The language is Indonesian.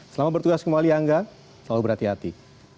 selamat bertugas kembali angga selalu berhati hati